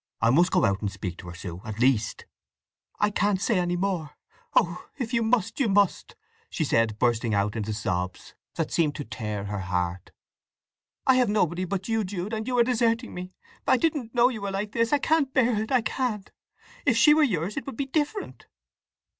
I must go out and speak to her, Sue, at least!" "I can't say any more!—Oh, if you must, you must!" she said, bursting out into sobs that seemed to tear her heart. "I have nobody but you, Jude, and you are deserting me! I didn't know you were like this—I can't bear it, I can't! If she were yours it would be different!"